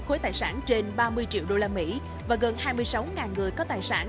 khối tài sản trên ba mươi triệu đô la mỹ và gần hai mươi sáu người có tài sản